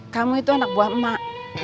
kamu itu anak buah emak emak